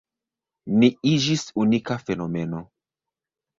Ni iĝis unika fenomeno.